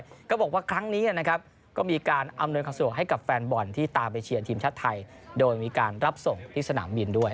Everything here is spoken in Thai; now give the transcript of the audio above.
แล้วก็บอกว่าครั้งนี้นะครับก็มีการอำนวยความสะดวกให้กับแฟนบอลที่ตามไปเชียร์ทีมชาติไทยโดยมีการรับส่งที่สนามบินด้วย